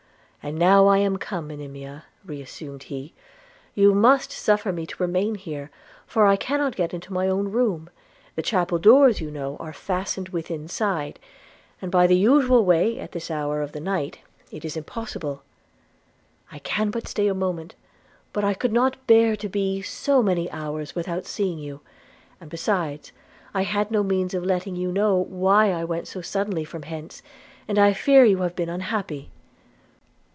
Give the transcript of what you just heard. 'And now I am come, Monimia,' reassumed he, 'you must suffer me to remain here, for I cannot get into my own room: the chapel doors, you know, are fastened within side, and by the usual way at this hour of the night it is impossible. I can stay but a moment; but I could not bear to be so many hours without seeing you; and besides, I had no means of letting you know why I went so suddenly from hence, and I fear you have been unhappy.'